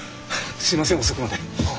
すいません遅くまで。